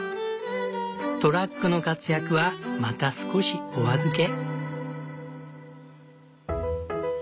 トラックの活躍はまた少しお預け。